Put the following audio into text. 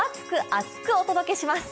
厚く！お届けします！